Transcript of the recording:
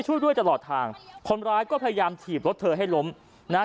ช่วยด้วยตลอดทางคนร้ายก็พยายามถีบรถเธอให้ล้มนะฮะ